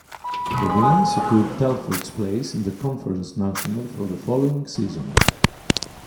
The win secured Telford's place in the Conference National for the following season.